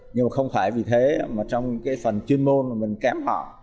nhưng không phải vì thế mà trong cái phần chuyên môn mình kém họ